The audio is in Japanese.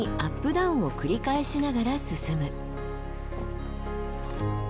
ダウンを繰り返しながら進む。